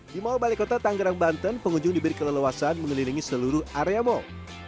di mall balikota tanggerang banten pengunjung diberi keleluasan mengelilingi seluruh area mall